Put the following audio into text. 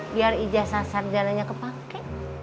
biar ijazah sarjananya kepake